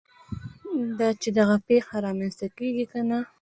دا چې دغه پېښه رامنځته کېږي که نه.